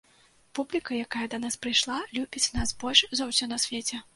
Публіка, якая да нас прыйшла, любіць нас больш за ўсё на свеце.